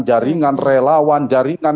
jaringan relawan jaringan